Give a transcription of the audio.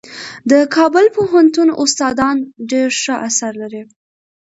د کابل پوهنتون استادان ډېر ښه اثار لري.